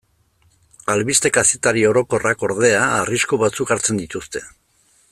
Albiste-kazetari orokorrak, ordea, arrisku batzuk hartzen dituzte.